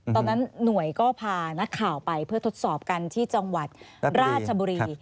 ตอนนั้นหน่วยก็พานักข่าวไปเพื่อทดสอบกันที่จังหวัดราชบุรี